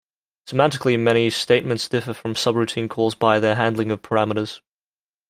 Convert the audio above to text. Semantically many statements differ from subroutine calls by their handling of parameters.